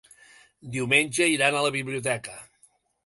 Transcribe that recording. Diumenge iran a la biblioteca.